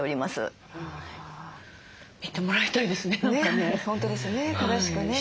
見てもらいたいですね何かね。